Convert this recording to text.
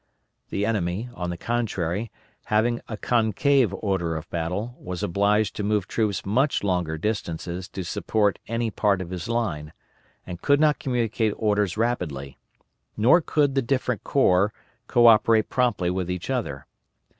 The enemy, on the contrary, having a concave order of battle, was obliged to move troops much longer distances to support any part of his line, and could not communicate orders rapidly, nor could the different corps co operate promptly with each other.